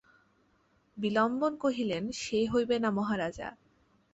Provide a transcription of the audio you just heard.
বিল্বন কহিলেন, সে হইবে না মহারাজ।